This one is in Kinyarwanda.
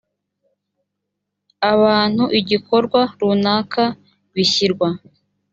abantu igikorwa runaka bishyirwa